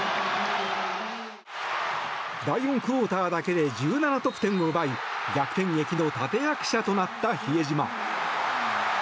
第４クオーターだけで１７得点を奪い逆転劇の立役者となった比江島。